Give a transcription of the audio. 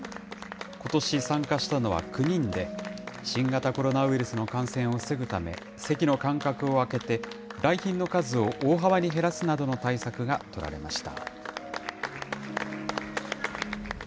ことし、参加したのは９人で、新型コロナウイルスの感染を防ぐため、席の間隔を空けて、来賓の数を大幅に減らすなどの対策が取られました。